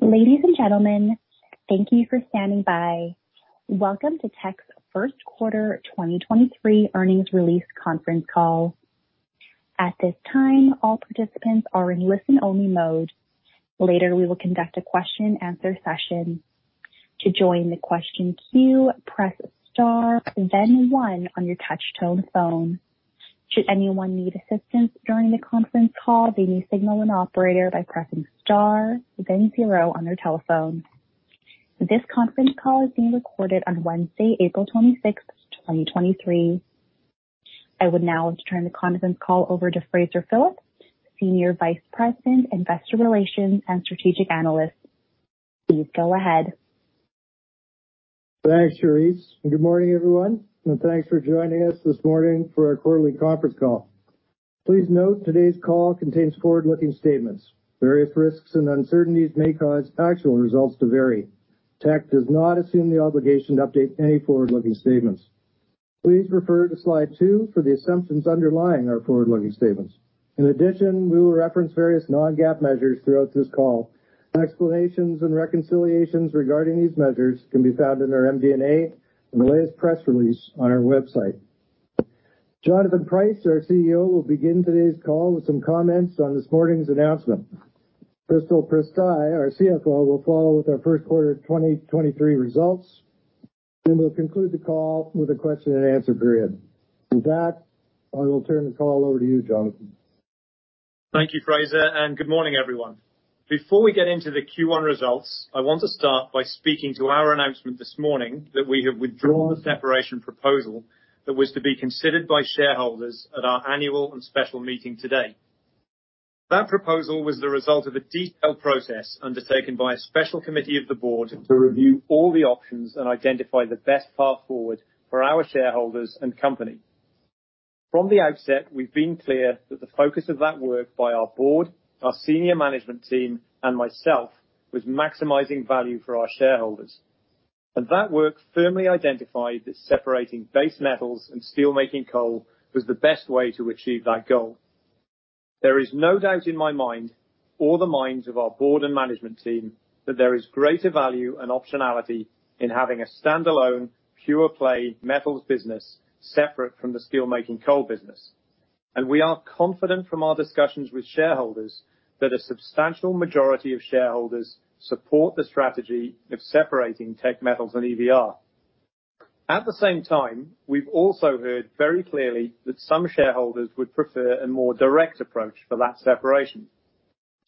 Ladies and gentlemen, thank you for standing by. Welcome to Teck's first quarter 2023 earnings release conference call. At this time, all participants are in listen-only mode. Later, we will conduct a question and answer session. To join the question queue, press Star, then 1 on your touchtone phone. Should anyone need assistance during the conference call, they may signal an operator by pressing Star, then 0 on their telephone. This conference call is being recorded on Wednesday, April 26, 2023. I would now like to turn the conference call over to Fraser Phillips, Senior Vice President, Investor Relations and Strategic Analysis. Please go ahead. Thanks, Therese, and good morning, everyone, and thanks for joining us this morning for our quarterly conference call. Please note, today's call contains forward-looking statements. Various risks and uncertainties may cause actual results to vary. Teck does not assume the obligation to update any forward-looking statements. Please refer to slide 2 for the assumptions underlying our forward-looking statements. In addition, we will reference various non-GAAP measures throughout this call. Explanations and reconciliations regarding these measures can be found in our MD&A and the latest press release on our website. Jonathan Price, our CEO, will begin today's call with some comments on this morning's announcement. Crystal Prystai, our CFO, will follow with our first quarter 2023 results. We'll conclude the call with a question and answer period. With that, I will turn the call over to you, Jonathan. Thank you, Fraser. Good morning, everyone. Before we get into the Q1 results, I want to start by speaking to our announcement this morning that we have withdrawn the separation proposal that was to be considered by shareholders at our annual and special meeting today. That proposal was the result of a detailed process undertaken by a special committee of the board to review all the options and identify the best path forward for our shareholders and company. From the outset, we've been clear that the focus of that work by our board, our senior management team, and myself was maximizing value for our shareholders. That work firmly identified that separating base metals and steelmaking coal was the best way to achieve that goal. There is no doubt in my mind or the minds of our board and management team that there is greater value and optionality in having a standalone, pure-play metals business separate from the steelmaking coal business. We are confident from our discussions with shareholders that a substantial majority of shareholders support the strategy of separating Teck Metals and EVR. At the same time, we've also heard very clearly that some shareholders would prefer a more direct approach for that separation.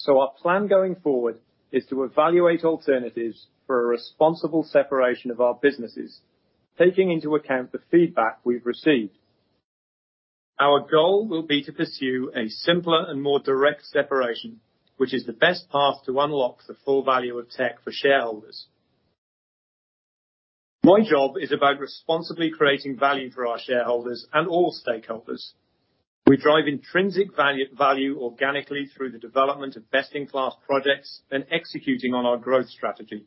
Our plan going forward is to evaluate alternatives for a responsible separation of our businesses, taking into account the feedback we've received. Our goal will be to pursue a simpler and more direct separation, which is the best path to unlock the full value of Teck for shareholders. My job is about responsibly creating value for our shareholders and all stakeholders. We drive intrinsic value organically through the development of best-in-class projects and executing on our growth strategy.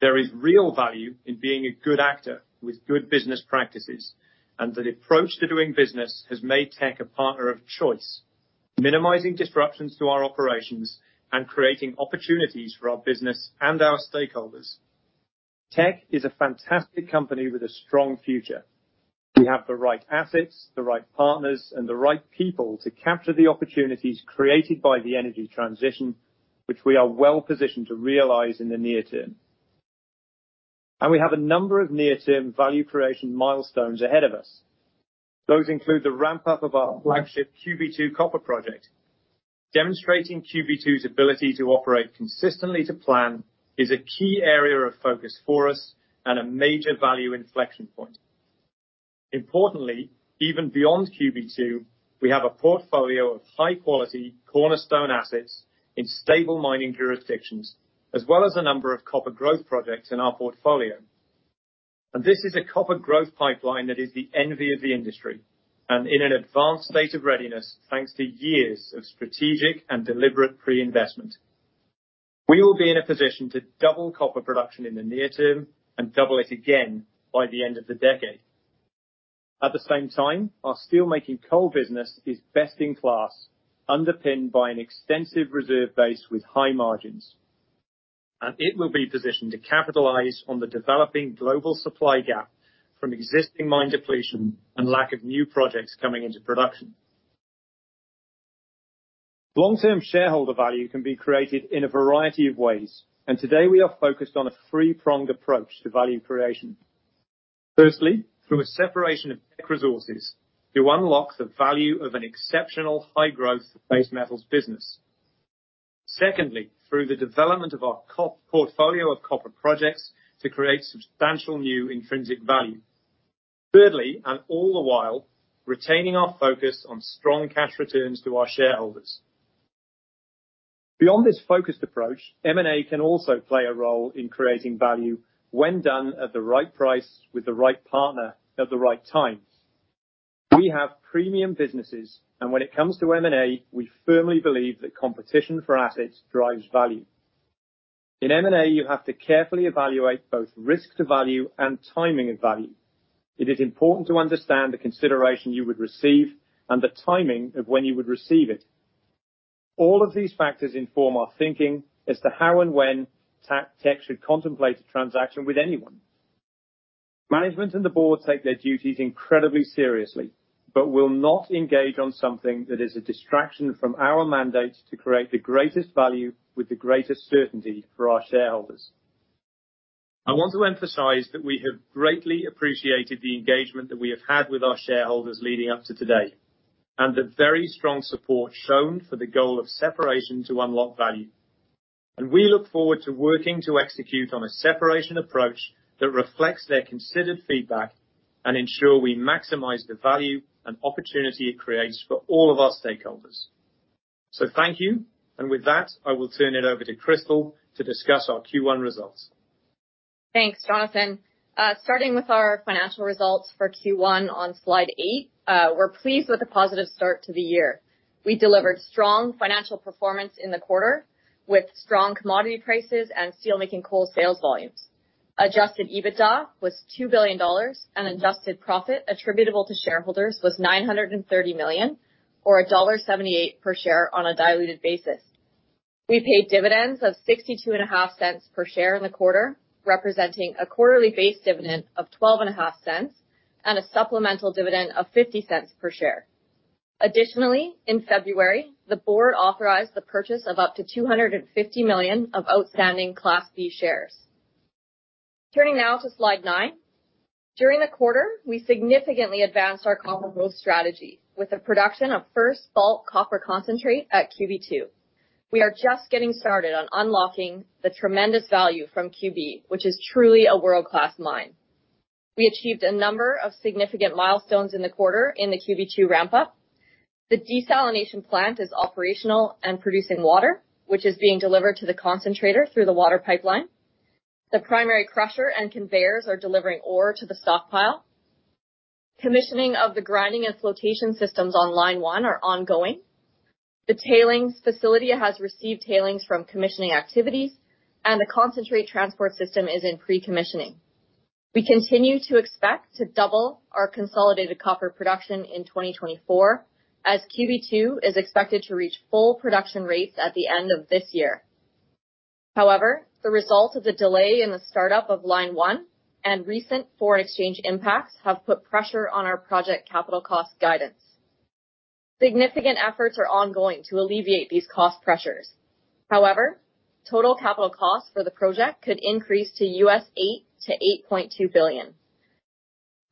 There is real value in being a good actor with good business practices. That approach to doing business has made Teck a partner of choice, minimizing disruptions to our operations and creating opportunities for our business and our stakeholders. Teck is a fantastic company with a strong future. We have the right assets, the right partners, and the right people to capture the opportunities created by the energy transition, which we are well-positioned to realize in the near term. We have a number of near-term value creation milestones ahead of us. Those include the ramp-up of our flagship QB2 copper project. Demonstrating QB2's ability to operate consistently to plan is a key area of focus for us and a major value inflection point. Importantly, even beyond QB2, we have a portfolio of high-quality cornerstone assets in stable mining jurisdictions, as well as a number of copper growth projects in our portfolio. This is a copper growth pipeline that is the envy of the industry and in an advanced state of readiness thanks to years of strategic and deliberate pre-investment. We will be in a position to double copper production in the near term and double it again by the end of the decade. At the same time, our steelmaking coal business is best in class, underpinned by an extensive reserve base with high margins. It will be positioned to capitalize on the developing global supply gap from existing mine depletion and lack of new projects coming into production. Long-term shareholder value can be created in a variety of ways, and today we are focused on a three-pronged approach to value creation. Firstly, through a separation of Teck Resources to unlock the value of an exceptional high-growth base metals business. Secondly, through the development of our portfolio of copper projects to create substantial new intrinsic value. Thirdly, all the while, retaining our focus on strong cash returns to our shareholders. Beyond this focused approach, M&A can also play a role in creating value when done at the right price with the right partner at the right time. We have premium businesses, and when it comes to M&A, we firmly believe that competition for assets drives value. In M&A, you have to carefully evaluate both risk to value and timing of value. It is important to understand the consideration you would receive and the timing of when you would receive it. All of these factors inform our thinking as to how and when Teck should contemplate a transaction with anyone. Management and the board take their duties incredibly seriously, but will not engage on something that is a distraction from our mandate to create the greatest value with the greatest certainty for our shareholders. I want to emphasize that we have greatly appreciated the engagement that we have had with our shareholders leading up to today, and the very strong support shown for the goal of separation to unlock value. We look forward to working to execute on a separation approach that reflects their considered feedback and ensure we maximize the value and opportunity it creates for all of our stakeholders. Thank you. With that, I will turn it over to Crystal to discuss our Q1 results. Thanks, Jonathan. Starting with our financial results for Q1 on slide 8, we're pleased with the positive start to the year. We delivered strong financial performance in the quarter, with strong commodity prices and steelmaking coal sales volumes. Adjusted EBITDA was $2 billion, and adjusted profit attributable to shareholders was $930 million, or $1.78 per share on a diluted basis. We paid dividends of $0.625 per share in the quarter, representing a quarterly base dividend of $0.125 and a supplemental dividend of $0.50 per share. In February, the board authorized the purchase of up to $250 million of outstanding Class B shares. Turning now to slide 9. During the quarter, we significantly advanced our copper growth strategy with the production of first bulk copper concentrate at QB2. We are just getting started on unlocking the tremendous value from QB, which is truly a world-class mine. We achieved a number of significant milestones in the quarter in the QB2 ramp-up. The desalination plant is operational and producing water, which is being delivered to the concentrator through the water pipeline. The primary crusher and conveyors are delivering ore to the stockpile. Commissioning of the grinding and flotation systems on line 1 are ongoing. The tailings facility has received tailings from commissioning activities, and the concentrate transport system is in pre-commissioning. We continue to expect to double our consolidated copper production in 2024, as QB2 is expected to reach full production rates at the end of this year. However, the result of the delay in the startup of line 1 and recent foreign exchange impacts have put pressure on our project capital cost guidance. Significant efforts are ongoing to alleviate these cost pressures. Total capital costs for the project could increase to $8 billion-$8.2 billion.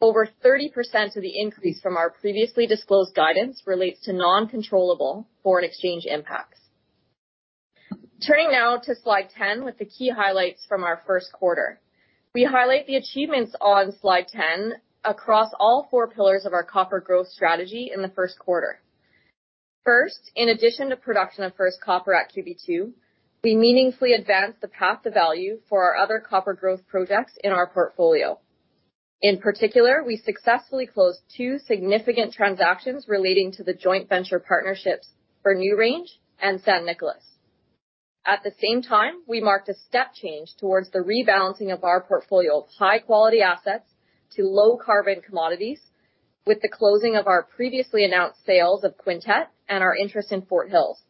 Over 30% of the increase from our previously disclosed guidance relates to non-controllable foreign exchange impacts. Turning now to slide 10 with the key highlights from our first quarter. We highlight the achievements on slide 10 across all 4 pillars of our copper growth strategy in the first quarter. First, in addition to production of first copper at QB2, we meaningfully advanced the path to value for our other copper growth projects in our portfolio. In particular, we successfully closed 2 significant transactions relating to the joint venture partnerships for NewRange and San Nicolas. At the same time, we marked a step change towards the rebalancing of our portfolio of high-quality assets to low carbon commodities with the closing of our previously announced sales of Quintette and our interest in Fort Hills.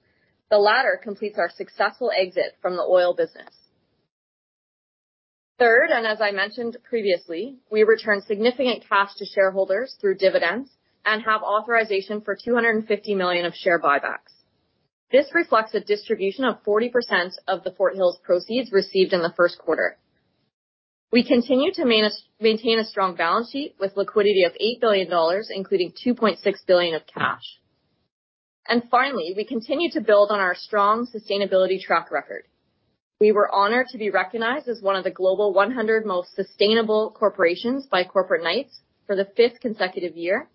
The latter completes our successful exit from the oil business. Third, as I mentioned previously, we returned significant cash to shareholders through dividends and have authorization for 250 million of share buybacks. This reflects a distribution of 40% of the Fort Hills proceeds received in the first quarter. We continue to maintain a strong balance sheet with liquidity of 8 billion dollars, including 2.6 billion of cash. Finally, we continue to build on our strong sustainability track record. We were honored to be recognized as one of the global 100 most sustainable corporations by Corporate Knights for the fifth consecutive year.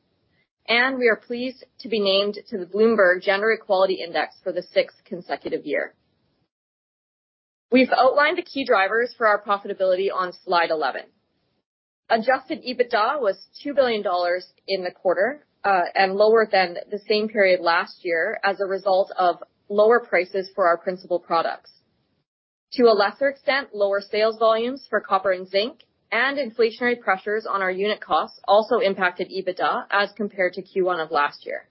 We are pleased to be named to the Bloomberg Gender-Equality Index for the sixth consecutive year. We've outlined the key drivers for our profitability on slide 11. Adjusted EBITDA was $2 billion in the quarter, and lower than the same period last year as a result of lower prices for our principal products. To a lesser extent, lower sales volumes for copper and zinc and inflationary pressures on our unit costs also impacted EBITDA as compared to Q1 of last year.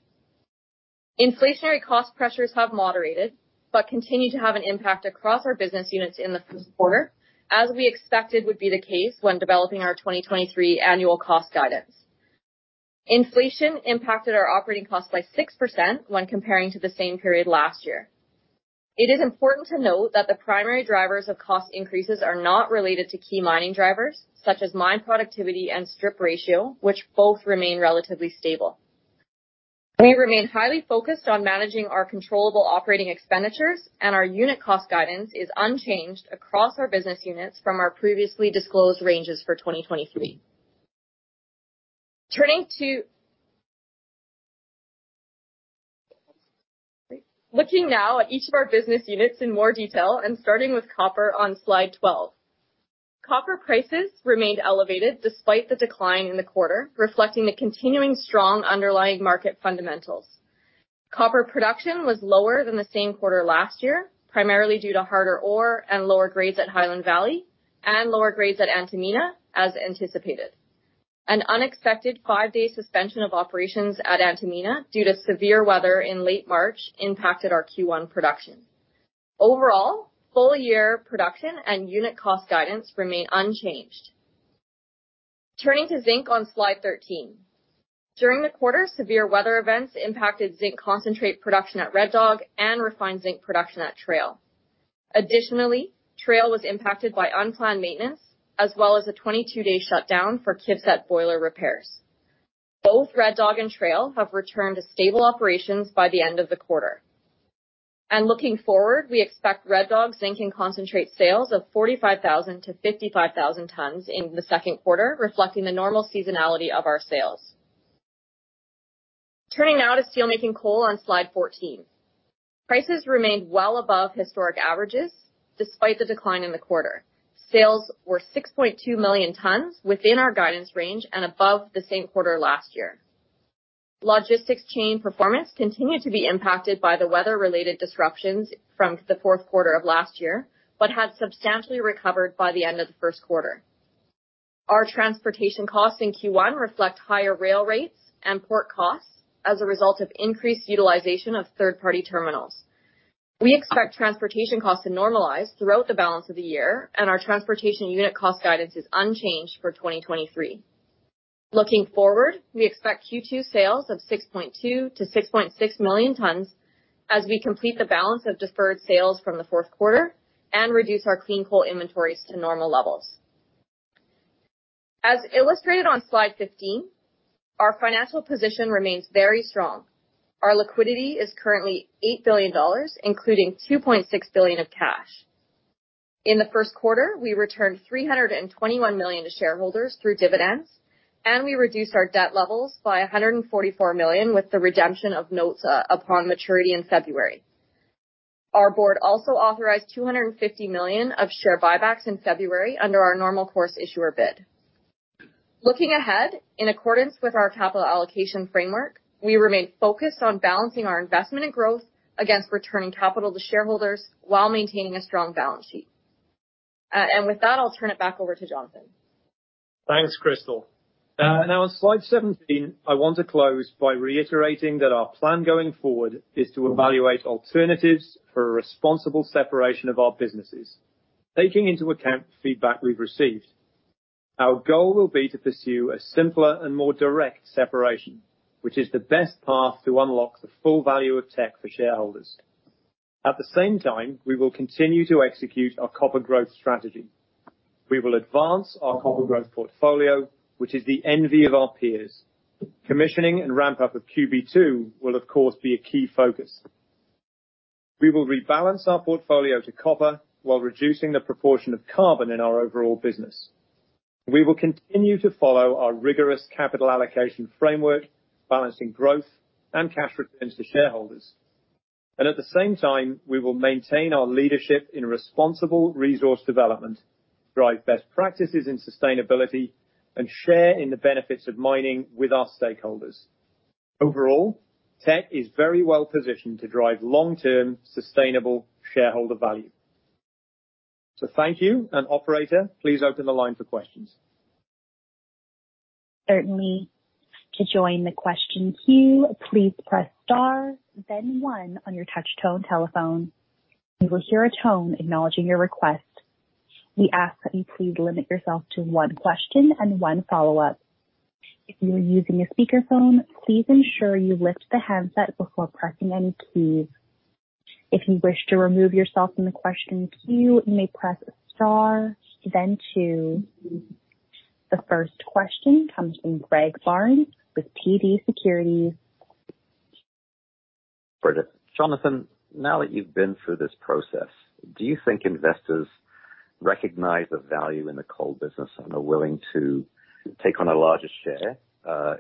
Inflationary cost pressures have moderated, but continue to have an impact across our business units in the first quarter, as we expected would be the case when developing our 2023 annual cost guidance. Inflation impacted our operating costs by 6% when comparing to the same period last year. It is important to note that the primary drivers of cost increases are not related to key mining drivers such as mine productivity and strip ratio, which both remain relatively stable. We remain highly focused on managing our controllable operating expenditures, and our unit cost guidance is unchanged across our business units from our previously disclosed ranges for 2023. Looking now at each of our business units in more detail and starting with copper on slide 12. Copper prices remained elevated despite the decline in the quarter, reflecting the continuing strong underlying market fundamentals. Copper production was lower than the same quarter last year, primarily due to harder ore and lower grades at Highland Valley and lower grades at Antamina, as anticipated. An unexpected 5-day suspension of operations at Antamina due to severe weather in late March impacted our Q1 production. Overall, full-year production and unit cost guidance remain unchanged. Turning to zinc on slide 13. During the quarter, severe weather events impacted zinc concentrate production at Red Dog and refined zinc production at Trail. Additionally, Trail was impacted by unplanned maintenance as well as a 22-day shutdown for KIVCET boiler repairs. Both Red Dog and Trail have returned to stable operations by the end of the quarter. Looking forward, we expect Red Dog zinc and concentrate sales of 45,000-55,000 tons in the second quarter, reflecting the normal seasonality of our sales. Turning now to steelmaking coal on slide 14. Prices remained well above historic averages despite the decline in the quarter. Sales were 6.2 million tons within our guidance range and above the same quarter last year. Logistics chain performance continued to be impacted by the weather-related disruptions from the fourth quarter of last year, but had substantially recovered by the end of the first quarter. Our transportation costs in Q1 reflect higher rail rates and port costs as a result of increased utilization of third-party terminals. We expect transportation costs to normalize throughout the balance of the year, and our transportation unit cost guidance is unchanged for 2023. Looking forward, we expect Q2 sales of 6.2 million-6.6 million tons as we complete the balance of deferred sales from the fourth quarter and reduce our clean coal inventories to normal levels. As illustrated on slide 15, our financial position remains very strong. Our liquidity is currently $8 billion, including $2.6 billion of cash. In the first quarter, we returned $321 million to shareholders through dividends, we reduced our debt levels by $144 million with the redemption of notes upon maturity in February. Our board also authorized $250 million of share buybacks in February under our normal course issuer bid. Looking ahead, in accordance with our capital allocation framework, we remain focused on balancing our investment and growth against returning capital to shareholders while maintaining a strong balance sheet. With that, I'll turn it back over to Jonathan. Thanks, Crystal. On slide 17, I want to close by reiterating that our plan going forward is to evaluate alternatives for a responsible separation of our businesses. Taking into account the feedback we've received, our goal will be to pursue a simpler and more direct separation, which is the best path to unlock the full value of Teck for shareholders. We will continue to execute our copper growth strategy. We will advance our copper growth portfolio, which is the envy of our peers. Commissioning and ramp-up of QB2 will of course be a key focus. We will rebalance our portfolio to copper while reducing the proportion of carbon in our overall business. We will continue to follow our rigorous capital allocation framework, balancing growth and cash returns to shareholders. At the same time, we will maintain our leadership in responsible resource development, drive best practices in sustainability, and share in the benefits of mining with our stakeholders. Overall, Teck is very well-positioned to drive long-term sustainable shareholder value. Thank you. Operator, please open the line for questions. Certainly. To join the question queue, please press star then one on your touch tone telephone. You will hear a tone acknowledging your request. We ask that you please limit yourself to one question and one follow-up. If you are using a speakerphone, please ensure you lift the handset before pressing any keys. If you wish to remove yourself from the question queue, you may press star then two. The first question comes from Greg Barnes with TD Securities. Jonathan, now that you've been through this process, do you think investors recognize the value in the coal business and are willing to take on a larger share,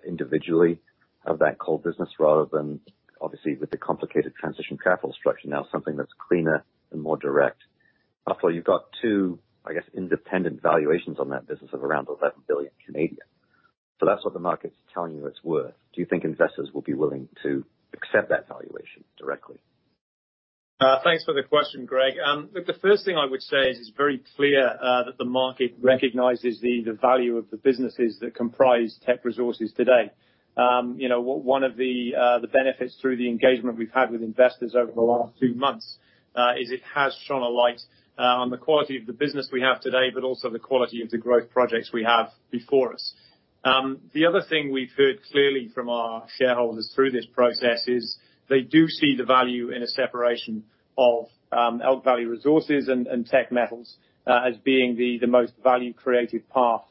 individually of that coal business rather than obviously with the complicated Transition Capital Structure now something that's cleaner and more direct? After all, you've got two, I guess, independent valuations on that business of around 11 billion. That's what the market's telling you it's worth. Do you think investors will be willing to accept that valuation directly? Thanks for the question, Greg. Look, the first thing I would say is it's very clear that the market recognizes the value of the businesses that comprise Teck Resources today. You know, one of the benefits through the engagement we've had with investors over the last two months is it has shone a light on the quality of the business we have today, but also the quality of the growth projects we have before us. The other thing we've heard clearly from our shareholders through this process is they do see the value in a separation of Elk Valley Resources and Teck Metals as being the most value-created path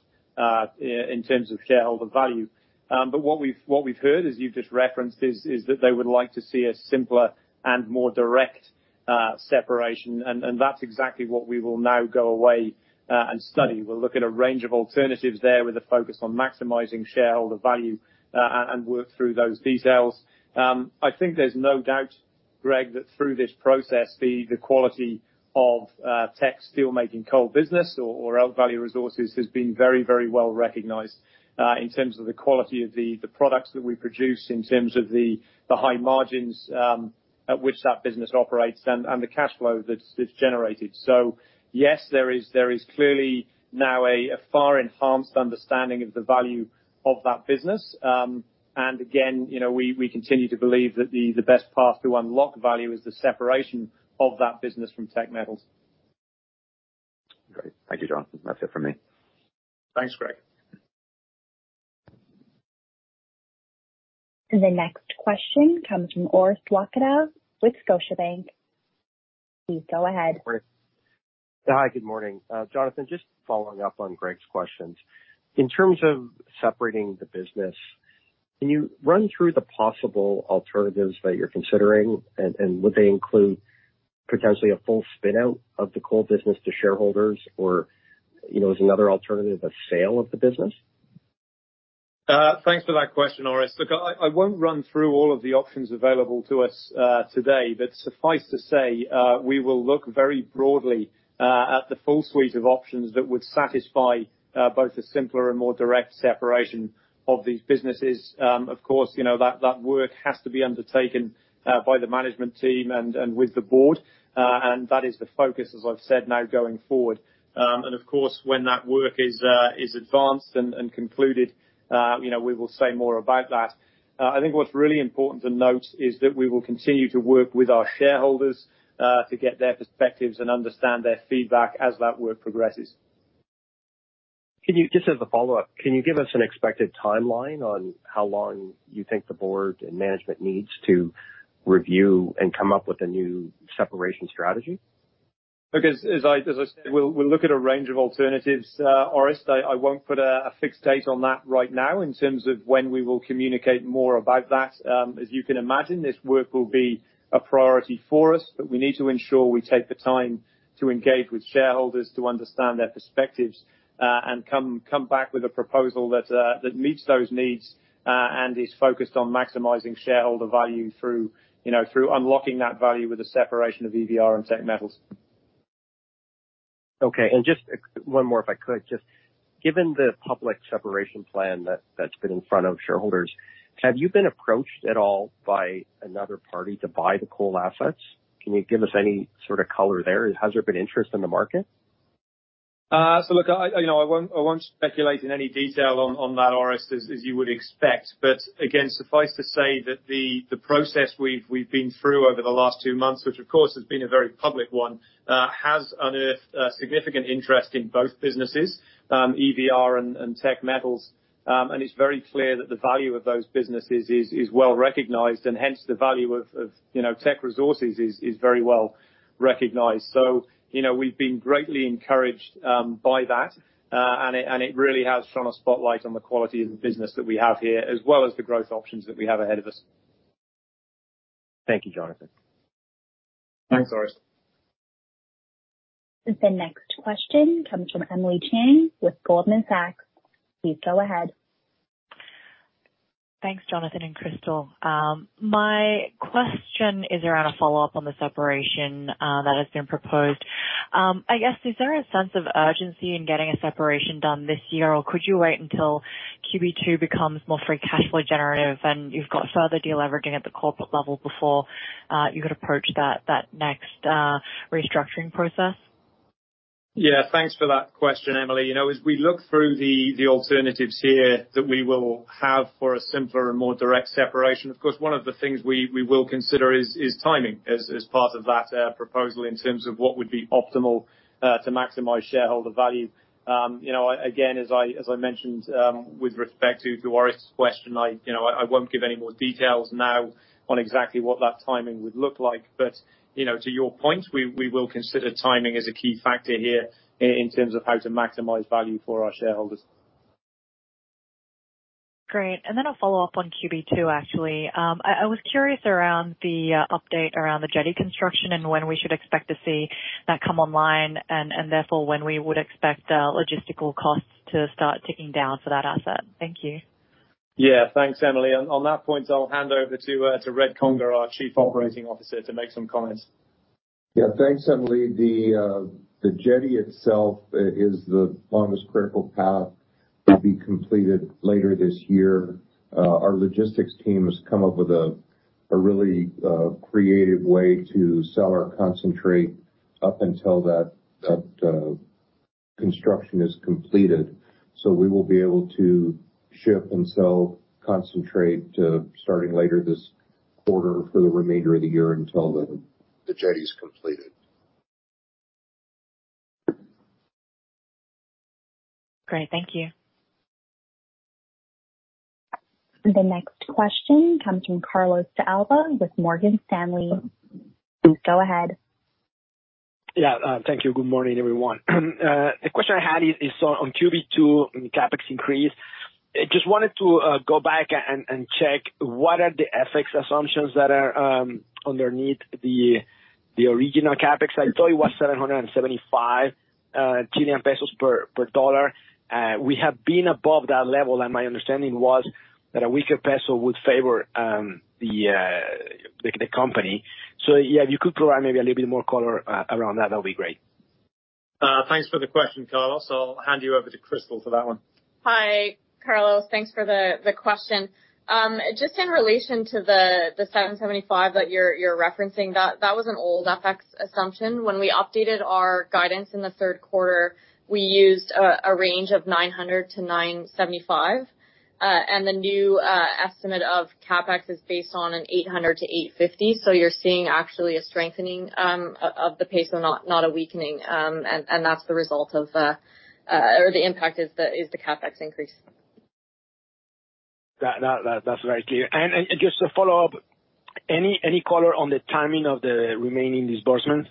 in terms of shareholder value. What we've heard, as you've just referenced, is that they would like to see a simpler and more direct separation. That's exactly what we will now go away and study. We'll look at a range of alternatives there with a focus on maximizing shareholder value and work through those details. I think there's no doubt, Greg, that through this process, the quality of Teck steelmaking coal business or Elk Valley Resources has been very well recognized in terms of the quality of the products that we produce, in terms of the high margins at which that business operates and the cash flow that's generated. Yes, there is clearly now a far enhanced understanding of the value of that business. Again, you know, we continue to believe that the best path to unlock value is the separation of that business from Teck Metals. Great. Thank you, Jonathan. That's it from me. Thanks, Greg. The next question comes from Orest Wowkodaw with Scotiabank. Please go ahead. Hi. Good morning. Jonathan, just following up on Greg's questions. In terms of separating the business, can you run through the possible alternatives that you're considering and would they include potentially a full spin out of the coal business to shareholders or, you know, is another alternative a sale of the business? Thanks for that question, Orest. Look, I won't run through all of the options available to us today, but suffice to say, we will look very broadly at the full suite of options that would satisfy both a simpler and more direct separation of these businesses. Of course, you know, that work has to be undertaken by the management team and with the board, and that is the focus as I've said now going forward. Of course, when that work is advanced and concluded, you know, we will say more about that. I think what's really important to note is that we will continue to work with our shareholders to get their perspectives and understand their feedback as that work progresses. Just as a follow-up, can you give us an expected timeline on how long you think the board and management needs to review and come up with a new separation strategy? As I said, we'll look at a range of alternatives, Orest, I won't put a fixed date on that right now in terms of when we will communicate more about that. As you can imagine, this work will be a priority for us, but we need to ensure we take the time to engage with shareholders to understand their perspectives, and come back with a proposal that meets those needs, and is focused on maximizing shareholder value through, you know, through unlocking that value with the separation of EVR and Teck Metals. Okay. Just one more, if I could. Just given the public separation plan that's been in front of shareholders, have you been approached at all by another party to buy the coal assets? Can you give us any sort of color there? Has there been interest in the market? Look, I, you know, I won't, I won't speculate in any detail on that Orest as you would expect. Again, suffice to say that the process we've been through over the last two months, which of course has been a very public one, has unearthed a significant interest in both businesses, EVR and Teck Metals. It's very clear that the value of those businesses is well recognized and hence the value of, you know, Teck Resources is very well recognized. You know, we've been greatly encouraged by that. It really has shone a spotlight on the quality of the business that we have here, as well as the growth options that we have ahead of us. Thank you, Jonathan. Thanks, Orest. The next question comes from Emily Chieng with Goldman Sachs. Please go ahead. Thanks, Jonathan and Crystal. My question is around a follow-up on the separation that has been proposed. I guess, is there a sense of urgency in getting a separation done this year, or could you wait until QB2 becomes more free cash flow generative and you've got further deleveraging at the corporate level before you could approach that next restructuring process? Yeah, thanks for that question, Emily. You know, as we look through the alternatives here that we will have for a simpler and more direct separation, of course, one of the things we will consider is timing as part of that proposal in terms of what would be optimal to maximize shareholder value. You know, again, as I mentioned, with respect to Orest's question, you know, I won't give any more details now on exactly what that timing would look like. You know, to your point, we will consider timing as a key factor here in terms of how to maximize value for our shareholders. Great. Then a follow-up on QB2, actually. I was curious around the update around the jetty construction and when we should expect to see that come online and therefore when we would expect logistical costs to start ticking down for that asset. Thank you. Yeah. Thanks, Emily. On that point, I'll hand over to Red Conger, our Chief Operating Officer, to make some comments. Thanks, Emily. The jetty itself is the longest critical path to be completed later this year. Our logistics team has come up with a really creative way to sell our concentrate up until that construction is completed, so we will be able to ship and sell concentrate starting later this quarter for the remainder of the year until the jetty is completed. Great. Thank you. The next question comes from Carlos de Alba with Morgan Stanley. Please go ahead. Thank you. Good morning, everyone. The question I had is on QB2 and the CapEx increase. I just wanted to go back and check what are the FX assumptions that are underneath. The original CapEx I thought was 775 Chilean pesos per dollar. We have been above that level, and my understanding was that a weaker peso would favor the company. Yeah, if you could provide maybe a little bit more color around that'd be great. Thanks for the question, Carlos. I'll hand you over to Crystal for that one. Hi, Carlos. Thanks for the question. Just in relation to the 775 that you're referencing, that was an old FX assumption. When we updated our guidance in the third quarter, we used a range of 900 to 975, and the new estimate of CapEx is based on an 800 to 850. You're seeing actually a strengthening of the peso, not a weakening. That's the result of or the impact is the CapEx increase. That's very clear. Just to follow up, any color on the timing of the remaining disbursement?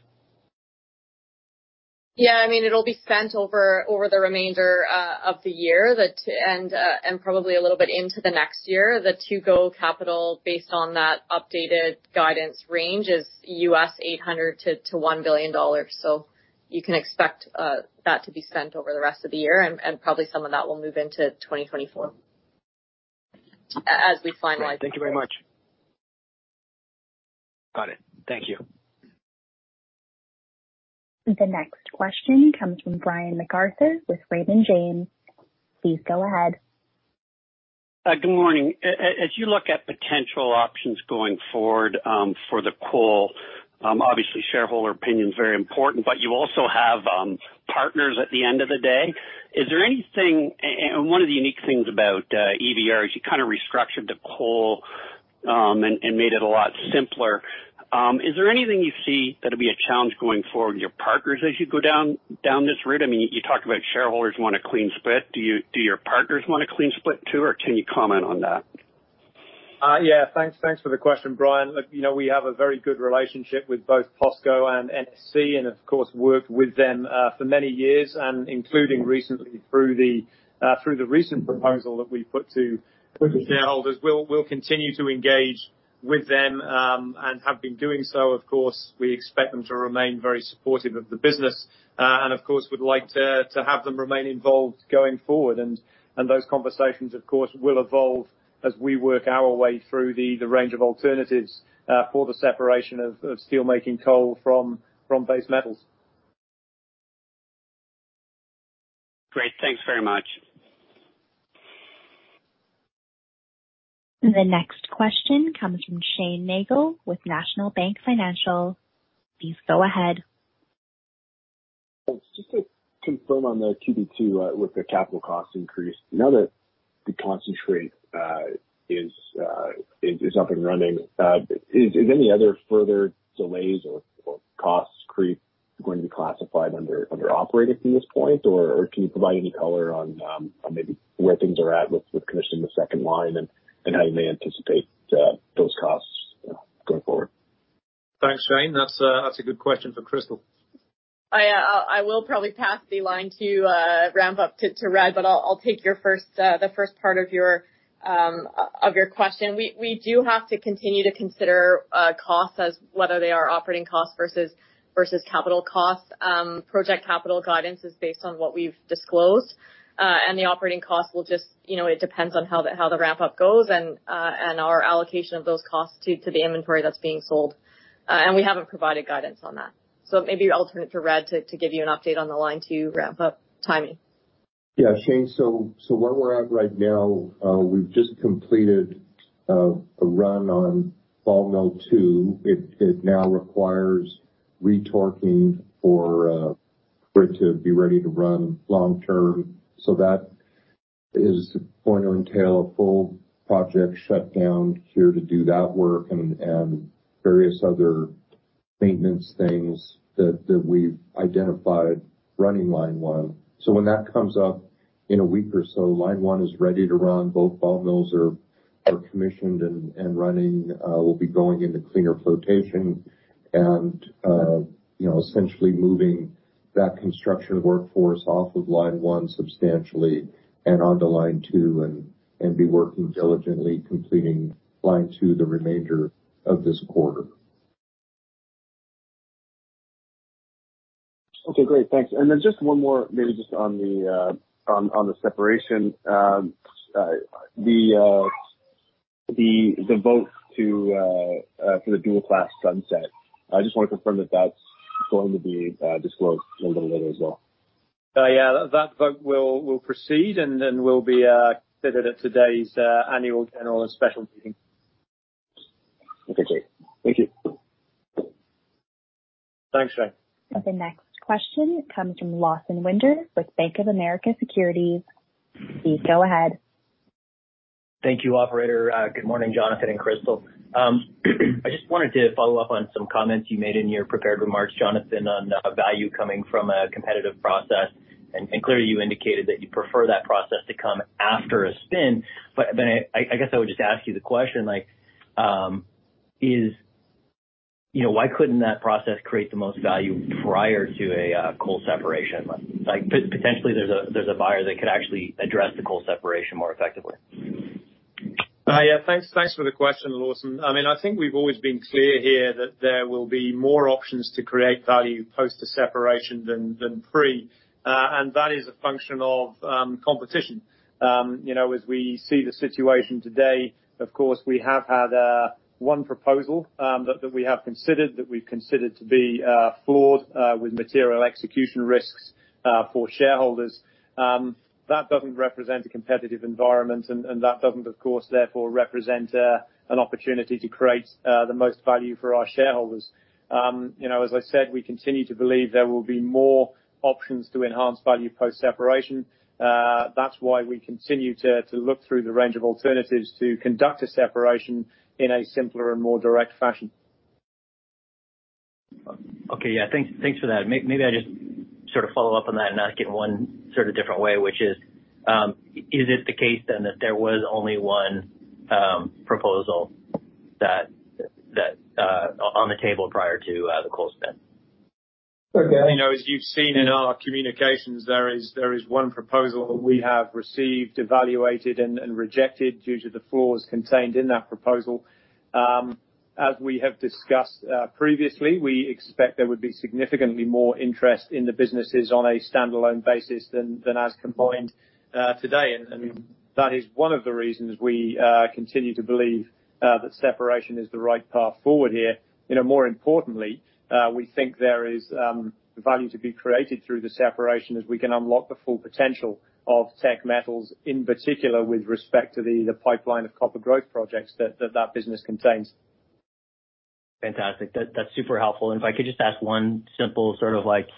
Yeah, I mean, it'll be spent over the remainder of the year and probably a little bit into the next year. The to-go capital based on that updated guidance range is $800 million-$1 billion. You can expect that to be spent over the rest of the year and probably some of that will move into 2024 as we finalize. Thank you very much. Got it. Thank you. The next question comes from Brian MacArthur with Raymond James. Please go ahead. Good morning. As you look at potential options going forward, for the coal, obviously shareholder opinion is very important, but you also have partners at the end of the day. Is there anything... One of the unique things about EVR is you kinda restructured the coal, and made it a lot simpler. Is there anything you see that'll be a challenge going forward with your partners as you go down this route? I mean, you talked about shareholders want a clean split. Do your partners want a clean split too, or can you comment on that? Yeah. Thanks for the question, Brian. Look, you know, we have a very good relationship with both POSCO and NSC and, of course, worked with them for many years and including recently through the recent proposal that we put to shareholders. We'll continue to engage with them and have been doing so. Of course, we expect them to remain very supportive of the business and of course would like to have them remain involved going forward. Those conversations, of course, will evolve as we work our way through the range of alternatives for the separation of steelmaking coal from base metals. Great. Thanks very much. The next question comes from Shane Nagle with National Bank Financial. Please go ahead. Just to confirm on the Q2 with the capital cost increase. Now that the concentrate is up and running, is any other further delays or cost creep going to be classified under operating from this point? Can you provide any color on maybe where things are at with commissioning the second line and how you may anticipate those costs going forward? Thanks, Shane. That's a good question for Crystal. I will probably pass the line to ramp up to Red, but I'll take your first the first part of your question. We do have to continue to consider costs as whether they are operating costs versus versus capital costs. Project capital guidance is based on what we've disclosed, and the operating cost will just. You know, it depends on how the ramp-up goes and our allocation of those costs to the inventory that's being sold. We haven't provided guidance on that. Maybe I'll turn it to Red to give you an update on the line two ramp-up timing. Yeah, Shane. Where we're at right now, we've just completed a run on ball mill 2. It now requires retorquing for it to be ready to run long term. That is going to entail a full project shutdown here to do that work and various other maintenance things that we've identified running line 1. When that comes up in a week or so, line 1 is ready to run. Both ball mills are commissioned and running. We'll be going into cleaner flotation and, you know, essentially moving that construction workforce off of line 1 substantially and onto line 2 and be working diligently completing line 2 the remainder of this quarter. Okay, great. Thanks. Just one more maybe just on the separation. The vote for the dual class sunset, I just wanna confirm that that's going to be disclosed a little bit later as well. Yeah. That vote will proceed and then will be considered at today's annual general and special meeting. Great. Thank you. Thanks, Shane. The next question comes from Lawson Winder with Bank of America Securities. Please go ahead. Thank you, operator. Good morning, Jonathan and Crystal. I just wanted to follow up on some comments you made in your prepared remarks, Jonathan, on value coming from a competitive process. Clearly you indicated that you prefer that process to come after a spin. I guess I would just ask you the question, like, you know, why couldn't that process create the most value prior to a coal separation? Potentially, there's a buyer that could actually address the coal separation more effectively. Yeah, thanks for the question, Lawson. I mean, I think we've always been clear here that there will be more options to create value post the separation than pre. That is a function of competition. You know, as we see the situation today, of course, we have had one proposal that we have considered that we've considered to be flawed with material execution risks for shareholders. That doesn't represent a competitive environment and that doesn't, of course, therefore represent an opportunity to create the most value for our shareholders. You know, as I said, we continue to believe there will be more options to enhance value post-separation. That's why we continue to look through the range of alternatives to conduct a separation in a simpler and more direct fashion. Okay. Yeah. Thanks for that. Maybe I just sort of follow up on that and ask it one sort of different way, which is this the case then that there was only one proposal that, on the table prior to the coal spin? Look, you know, as you've seen in our communications, there is one proposal we have received, evaluated, and rejected due to the flaws contained in that proposal. As we have discussed previously, we expect there would be significantly more interest in the businesses on a standalone basis than as combined today. I mean, that is one of the reasons we continue to believe that separation is the right path forward here. You know, more importantly, we think there is value to be created through the separation as we can unlock the full potential of Teck Metals, in particular, with respect to the pipeline of copper growth projects that business contains. Fantastic. That, that's super helpful. If I could just ask one simple sort of like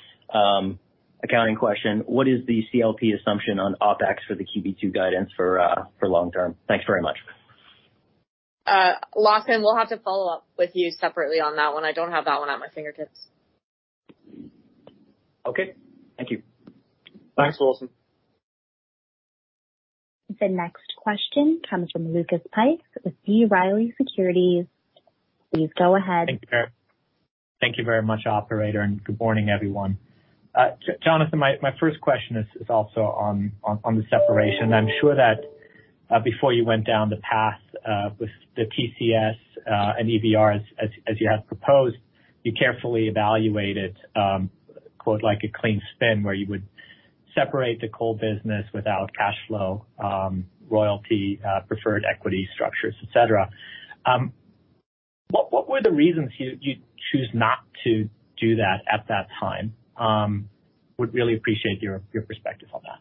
accounting question. What is the CLP assumption on OpEx for the QB2 guidance for long term? Thanks very much. Lawson, we'll have to follow up with you separately on that one. I don't have that one at my fingertips. Okay. Thank you. Thanks, Lawson. The next question comes from Lucas Pipes with B. Riley Securities. Please go ahead. Thank you very much, operator, and good morning, everyone. Jonathan, my first question is also on the separation. I'm sure that, before you went down the path with the TCS and EVRs as you had proposed, you carefully evaluated, quote, like, a clean spin, where you would separate the coal business without cash flow, royalty, preferred equity structures, et cetera. What were the reasons you choose not to do that at that time? Would really appreciate your perspective on that.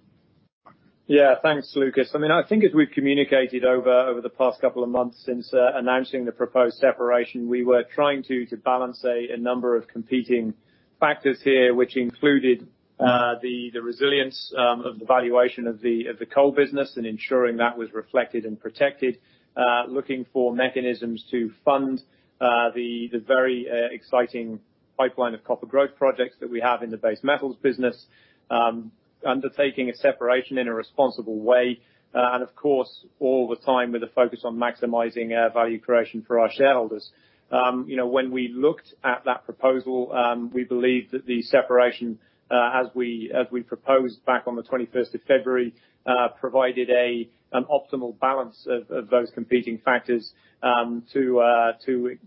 Yeah. Thanks, Lucas. I mean, I think as we've communicated over the past couple of months since announcing the proposed separation, we were trying to balance a number of competing factors here, which included the resilience of the valuation of the coal business and ensuring that was reflected and protected, looking for mechanisms to fund the very exciting pipeline of copper growth projects that we have in the base metals business, undertaking a separation in a responsible way, and of course, all the time with a focus on maximizing value creation for our shareholders. You know, when we looked at that proposal, we believed that the separation, as we proposed back on the 21st of February, provided an optimal balance of those competing factors, to,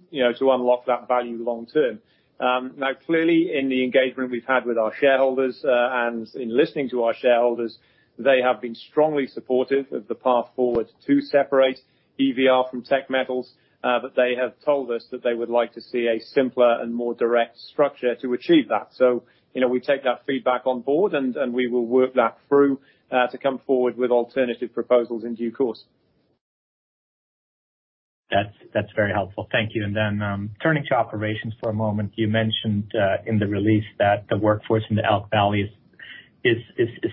you know, to unlock that value long term. Clearly in the engagement we've had with our shareholders, and in listening to our shareholders, they have been strongly supportive of the path forward to separate EVR from Teck Metals, but they have told us that they would like to see a simpler and more direct structure to achieve that. You know, we take that feedback on board and we will work that through, to come forward with alternative proposals in due course. That's very helpful. Thank you. Turning to operations for a moment, you mentioned in the release that the workforce in the Elk Valley is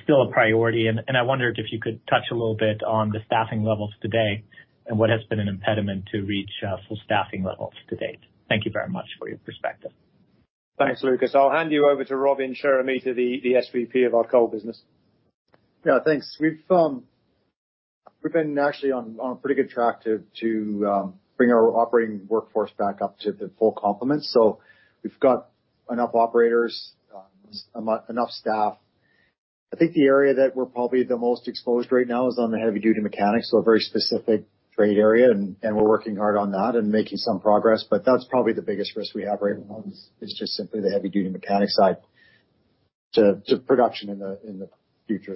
still a priority and I wondered if you could touch a little bit on the staffing levels today and what has been an impediment to reach full staffing levels to date. Thank you very much for your perspective. Thanks, Lucas. I'll hand you over to Robin Sheremeta, the SVP of our coal business. Yeah. Thanks. We've been actually on a pretty good track to bring our operating workforce back up to the full complement. We've got enough operators, enough staff. I think the area that we're probably the most exposed right now is on the heavy duty mechanics, so a very specific trade area, and we're working hard on that and making some progress, but that's probably the biggest risk we have right now is just simply the heavy duty mechanic side to production in the future.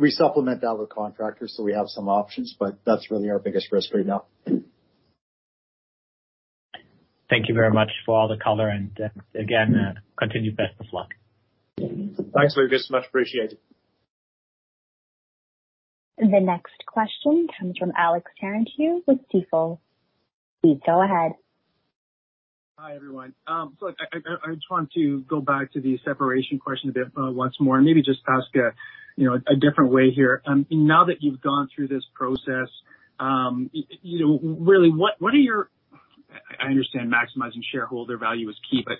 We supplement that with contractors, so we have some options, but that's really our biggest risk right now. Thank you very much for all the color and again, continued best of luck. Thanks, Lucas. Much appreciated. The next question comes from Alex Terentiew here with Stifel. Please go ahead. Hi, everyone. I just want to go back to the separation question a bit once more and maybe just ask a different way here. Now that you've gone through this process, I understand maximizing shareholder value is key, but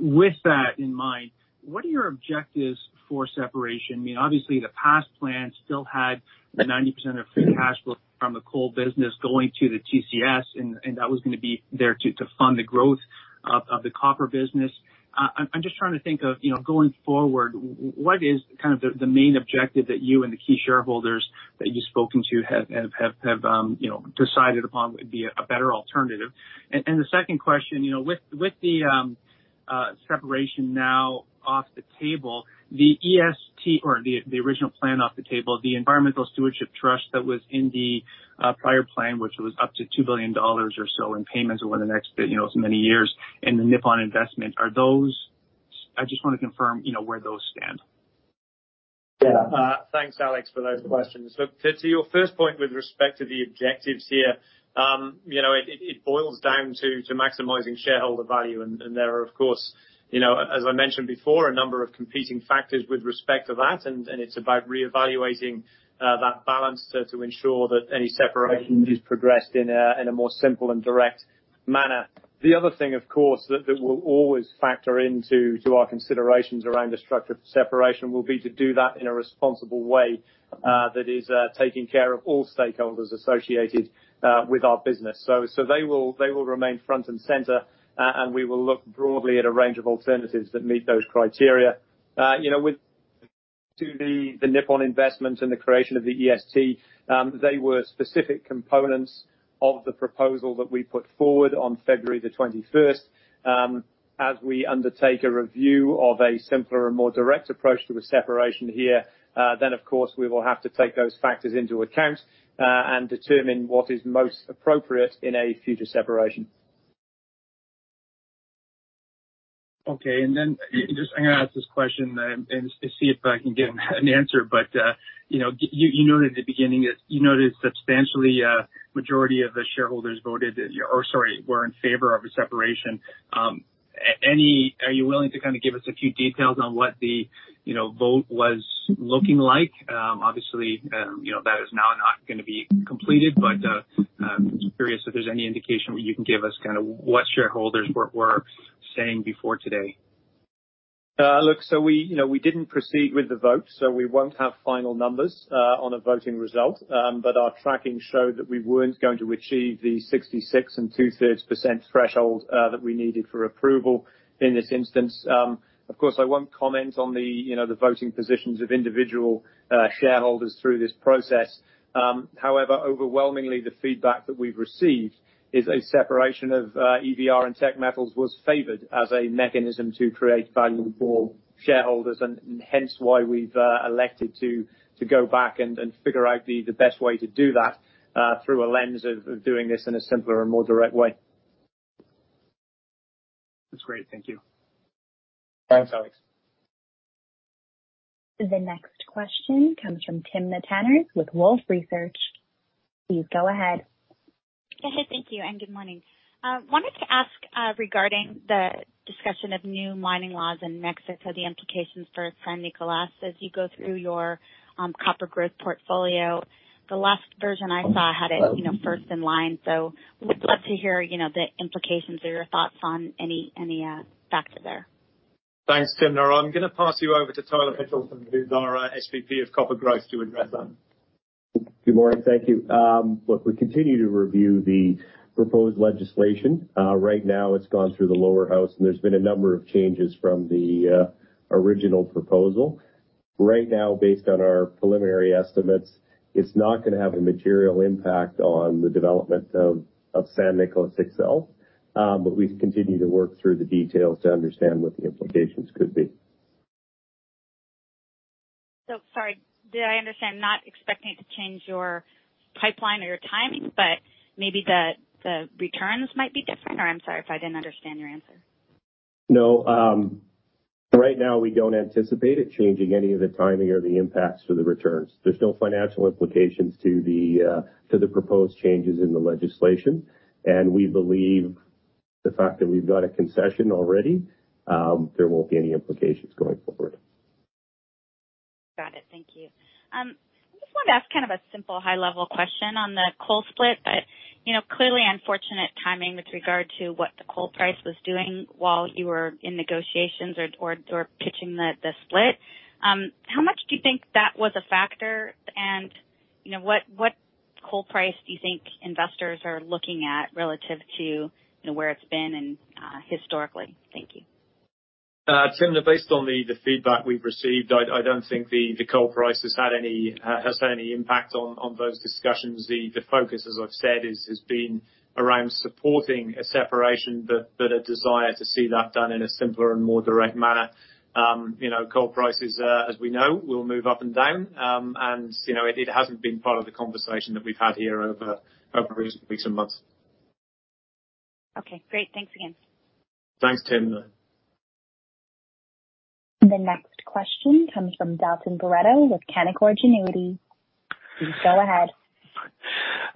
with that in mind, what are your objectives for separation? Obviously, the past plan still had the 90% of free cash flow from the coal business going to the TCS and that was going to be there to fund the growth of the copper business. I'm just trying to think of, going forward, what is kind of the main objective that you and the key shareholders that you've spoken to have decided upon would be a better alternative? The second question, you know, with the separation now off the table, the EST or the original plan off the table, the Environmental Stewardship Trust that was in the prior plan, which was up to $2 billion or so in payments over the next, you know, so many years and the Nippon investment. Are those I just want to confirm, you know, where those stand? Yeah. Thanks, Alex, for those questions. Look, to your first point with respect to the objectives here, you know, it boils down to maximizing shareholder value. There are, of course, you know, as I mentioned before, a number of competing factors with respect to that. It's about reevaluating that balance to ensure that any separation is progressed in a more simple and direct manner. The other thing, of course, that will always factor into our considerations around the structure for separation will be to do that in a responsible way that is taking care of all stakeholders associated with our business. They will remain front and center, and we will look broadly at a range of alternatives that meet those criteria. you know, with to the Nippon investment and the creation of the EST, they were specific components of the proposal that we put forward on February the twenty-first. As we undertake a review of a simpler and more direct approach to the separation here, then, of course, we will have to take those factors into account, and determine what is most appropriate in a future separation. Just I'm gonna ask this question and see if I can get an answer. You know, you noted at the beginning that you noticed substantially, a majority of the shareholders voted, or sorry, were in favor of a separation. Are you willing to kind of give us a few details on what the, you know, vote was looking like? Obviously, you know, that is now not gonna be completed. Just curious if there's any indication you can give us kind of what shareholders were saying before today. Look, we, you know, we didn't proceed with the vote, we won't have final numbers on a voting result. Our tracking showed that we weren't going to achieve the 66 and two thirds% threshold that we needed for approval in this instance. Of course, I won't comment on the, you know, the voting positions of individual shareholders through this process. However, overwhelmingly the feedback that we've received is a separation of EVR and Teck Metals was favored as a mechanism to create value for shareholders and hence why we've elected to go back and figure out the best way to do that through a lens of doing this in a simpler and more direct way. That's great. Thank you. Thanks, Alex. The next question comes from Timna Tanners with Wolfe Research. Please go ahead. Go ahead. Thank you. Good morning. Wanted to ask regarding the discussion of new mining laws in Mexico, the implications for San Nicolas, as you go through your copper growth portfolio. The last version I saw had it, you know, first in line, so would love to hear, you know, the implications or your thoughts on any factor there. Thanks, Timna. I'm gonna pass you over to Tyler Mitchelson, who's our SVP of Copper Growth, to address that. Good morning. Thank you. Look, we continue to review the proposed legislation. Right now it's gone through the lower house, and there's been a number of changes from the original proposal. Right now, based on our preliminary estimates, it's not gonna have a material impact on the development of San Nicolas itself. We continue to work through the details to understand what the implications could be. Sorry, did I understand not expecting it to change your pipeline or your timing, but maybe the returns might be different? I'm sorry if I didn't understand your answer. No. Right now we don't anticipate it changing any of the timing or the impacts for the returns. There's no financial implications to the proposed changes in the legislation. We believe the fact that we've got a concession already, there won't be any implications going forward. Got it. Thank you. I just wanted to ask kind of a simple high-level question on the coal split, you know, clearly unfortunate timing with regard to what the coal price was doing while you were in negotiations or pitching the split. How much do you think that was a factor? You know, what coal price do you think investors are looking at relative to, you know, where it's been historically? Thank you. Timna, based on the feedback we've received, I don't think the coal price has had any has had any impact on those discussions. The focus, as I've said, has been around supporting a separation, but a desire to see that done in a simpler and more direct manner. You know, coal prices, as we know, will move up and down. You know, it hasn't been part of the conversation that we've had here over recent weeks and months. Okay, great. Thanks again. Thanks, Timna. The next question comes from Dalton Baretto with Canaccord Genuity. Please go ahead.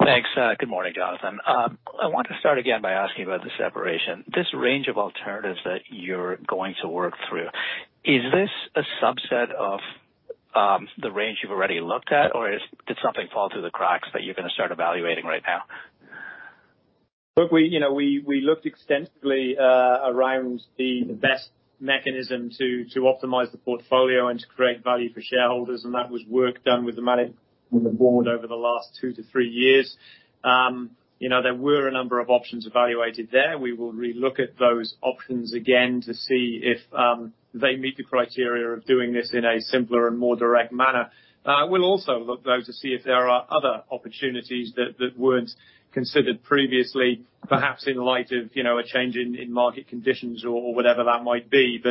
Thanks. Good morning, Jonathan. I want to start again by asking about the separation. This range of alternatives that you're going to work through. Is this a subset of the range you've already looked at? Or did something fall through the cracks that you're gonna start evaluating right now? Look, we looked extensively around the best mechanism to optimize the portfolio and to create value for shareholders, that was work done with the board over the last 2 to 3 years. There were a number of options evaluated there. We will relook at those options again to see if they meet the criteria of doing this in a simpler and more direct manner. We'll also look, though, to see if there are other opportunities that weren't considered previously, perhaps in light of a change in market conditions or whatever that might be.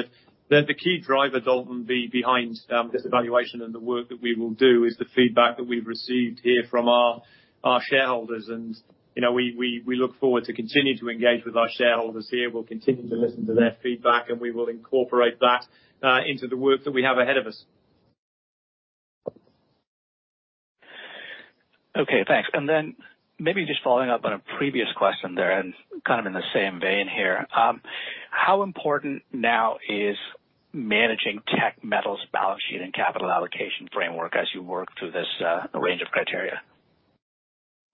The key driver, Dalton, behind this evaluation and the work that we will do is the feedback that we've received here from our shareholders. You know, we look forward to continue to engage with our shareholders here. We'll continue to listen to their feedback, and we will incorporate that into the work that we have ahead of us. Okay, thanks. Maybe just following up on a previous question there and kind of in the same vein here. How important now is managing Teck Metals' balance sheet and capital allocation framework as you work through this range of criteria?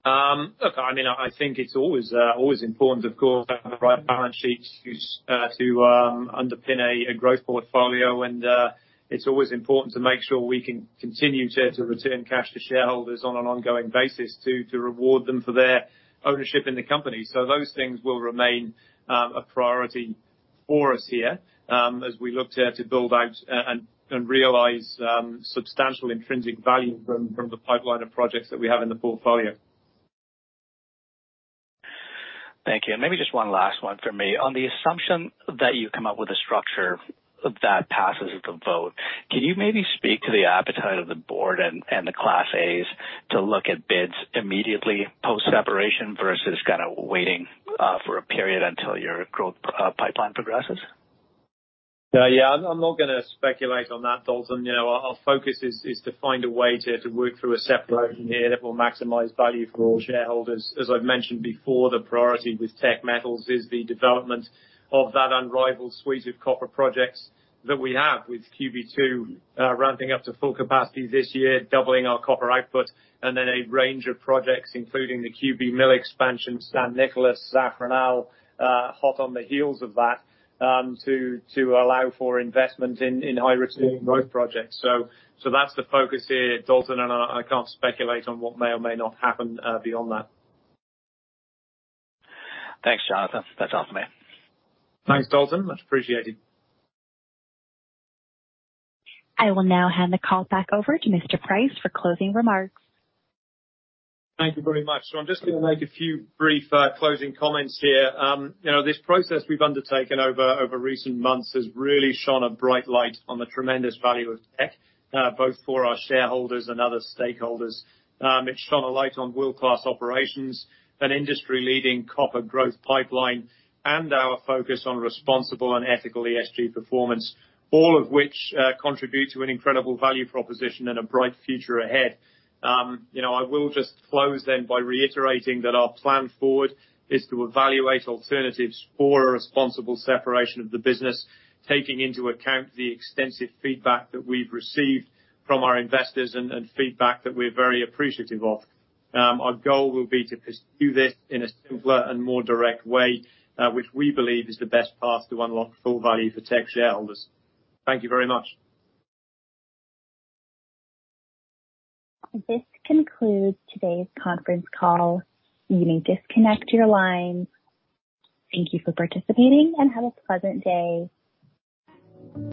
Look, I mean, I think it's always important of course to have the right balance sheet to underpin a growth portfolio and it's always important to make sure we can continue to return cash to shareholders on an ongoing basis to reward them for their ownership in the company. Those things will remain a priority for us here as we look to build out and realize substantial intrinsic value from the pipeline of projects that we have in the portfolio. Thank you. Maybe just one last one for me. On the assumption that you come up with a structure that passes the vote, can you maybe speak to the appetite of the board and the Class As to look at bids immediately post-separation versus kinda waiting for a period until your growth pipeline progresses? Yeah, yeah. I'm not gonna speculate on that, Dalton. You know, our focus is to find a way to work through a separation here that will maximize value for all shareholders. As I've mentioned before, the priority with Teck Metals is the development of that unrivaled suite of copper projects that we have with QB2, ramping up to full capacity this year, doubling our copper output, and then a range of projects, including the QB mill expansion, San Nicolas, Zafranal, hot on the heels of that, to allow for investment in high returning growth projects. That's the focus here, Dalton, and I can't speculate on what may or may not happen beyond that. Thanks, Jonathan. That's all for me. Thanks, Dalton. Much appreciated. I will now hand the call back over to Mr. Price for closing remarks. Thank you very much. I'm just gonna make a few brief closing comments here. You know, this process we've undertaken over recent months has really shone a bright light on the tremendous value of Teck, both for our shareholders and other stakeholders. It's shone a light on world-class operations, an industry-leading copper growth pipeline, and our focus on responsible and ethical ESG performance, all of which contribute to an incredible value proposition and a bright future ahead. You know, I will just close then by reiterating that our plan forward is to evaluate alternatives for a responsible separation of the business, taking into account the extensive feedback that we've received from our investors and feedback that we're very appreciative of. Our goal will be to pursue this in a simpler and more direct way, which we believe is the best path to unlock full value for Teck shareholders. Thank you very much. This concludes today's conference call. You may disconnect your lines. Thank you for participating, and have a pleasant day.